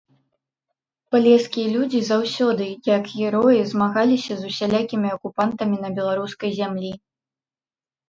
Палескія людзі заўсёды, як героі, змагаліся з усялякімі акупантамі на беларускай зямлі.